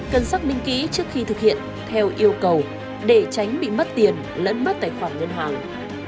cần xác minh kỹ trước khi thực hiện theo yêu cầu để tránh bị mất tiền lẫn mất tài khoản ngân hàng